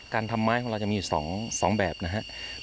การทำไม้ของเราจะมี๒แบบนะครับ